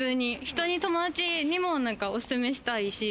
友達にも、おすすめしたいし。